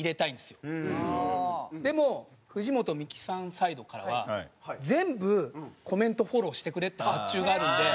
でも藤本美貴さんサイドからは「全部コメントフォローしてくれ」って発注があるので。